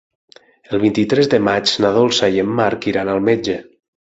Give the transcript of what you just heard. El vint-i-tres de maig na Dolça i en Marc iran al metge.